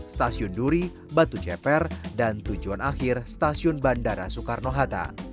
stasiun duri batu ceper dan tujuan akhir stasiun bandara soekarno hatta